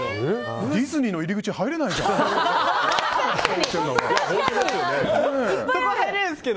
ディズニーの入り口入れないじゃん！